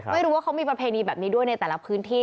ไม่รู้ว่าเขามีประเพณีแบบนี้ด้วยในแต่ละพื้นที่